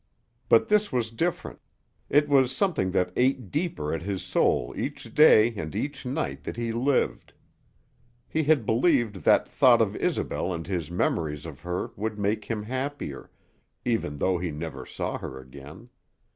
But this was different. It was something that ate deeper at his soul each day and each night that he lived. He had believed that thought of Isobel and his memories of her would make him happier, even though he never saw her again.